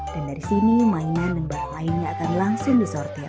dan dari sini mainan dan barang lainnya akan langsung disortir